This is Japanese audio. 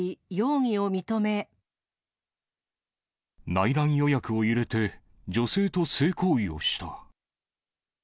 内覧予約を入れて、女性と性行為をした。